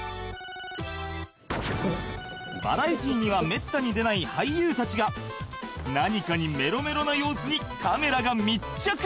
［バラエティーにはめったに出ない俳優たちが何かにメロメロな様子にカメラが密着］